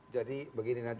jadi begini nanti